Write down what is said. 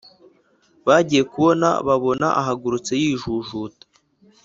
bagiye kubona babona ahagurutse yijujuta